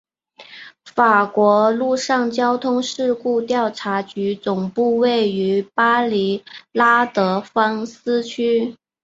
法国陆上交通事故调查局总部位于巴黎拉德芳斯区。